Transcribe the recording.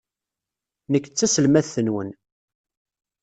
Nekk d taselmadt-nwen.